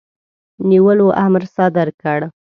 نیولو امر صادر کړ.